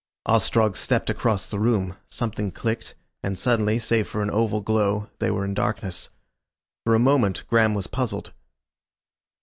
Ostrog stepped across the room, something clicked, and suddenly, save for an oval glow, they were in darkness. For a moment Graham was puzzled.